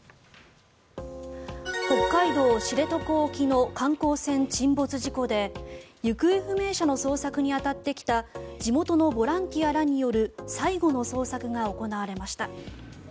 北海道・知床沖の観光船沈没事故で行方不明者の捜索に当たってきた地元のボランティアらによる最後の捜索が行われました。